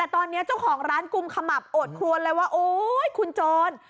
ตอนนี้เจ้าของร้านกุมขมับโอดครวนเลยว่าโอ๊ยคุณโจร